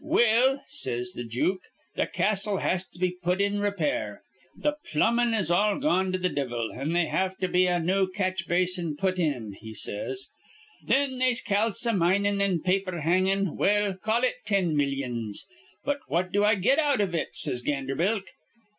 'Well,' says th' jook, th' castle has to be put in repair. Th' plumbin' is all gone to th' divvle, an' they'll have to be a new catch basin put in,' he says. 'Thin they'se calciminin' an' paper hangin', well, call it tin millyons.' 'But what do I get out iv it?' says Ganderbilk.